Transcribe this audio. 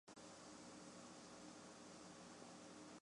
其一般栖息于潮间带细砂质底。